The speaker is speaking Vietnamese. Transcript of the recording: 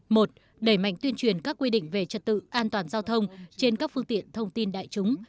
một đẩy mạnh tuyên truyền các quy định về trật tự an toàn giao thông trên các phương tiện thông tin đại chúng